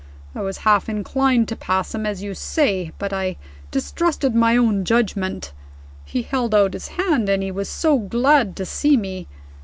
I was half inclined to pass him, as you say but I distrusted my own judgment. He held out his hand, and he was so glad to see me.